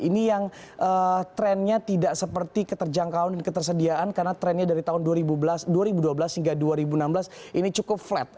ini yang trennya tidak seperti keterjangkauan dan ketersediaan karena trennya dari tahun dua ribu dua belas hingga dua ribu enam belas ini cukup flat